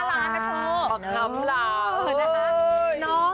ปรับน้ำหลัง